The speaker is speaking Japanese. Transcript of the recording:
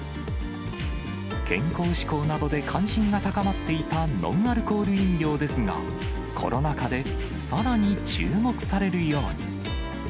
健康志向などで関心が高まっていたノンアルコール飲料ですが、コロナ禍でさらに注目されるように。